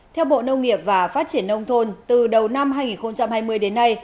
theo bộ nông nghiệp và phát triển nông thôn từ đầu năm hai nghìn hai mươi đến nay